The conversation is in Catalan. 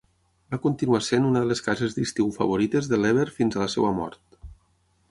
Va continuar sent una de les cases d'estiu favorites de Lever fins a la seva mort.